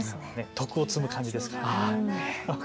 徳を積む感じですかね。